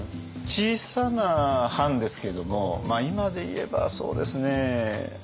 小さな藩ですけども今で言えばそうですね